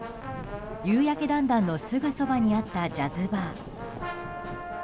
夕やけだんだんのすぐそばにあったジャズバー。